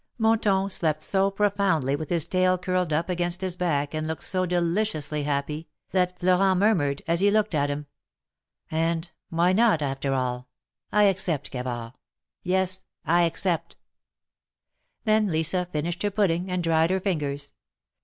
Monton slept so profoundly with his tail curled up against his back, and looked so deliciously happy, that Florent murmured, as he looked at him : '^And why not^ after all? I accept, Gavard; yes, I accept." Then Lisa finished her pudding, and dried her fingers.